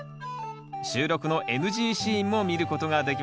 収録のＮＧシーンも見ることができますよ。